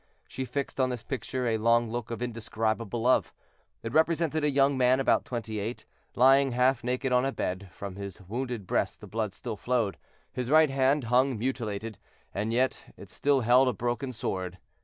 She fixed on this picture a long look of indescribable love. It represented a young man about twenty eight, lying half naked on a bed; from his wounded breast the blood still flowed, his right hand hung mutilated, and yet it still held a broken sword.